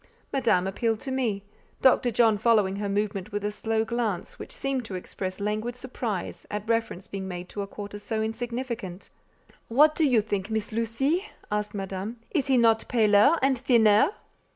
Madame appealed to me—Dr. John following her movement with a slow glance which seemed to express languid surprise at reference being made to a quarter so insignificant. "What do you think, Miss Lucie?" asked Madame. "Is he not paler and thinner?"